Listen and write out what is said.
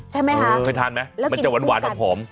ใช่ไหมคะเคยทานไหมมันจะหวานหอม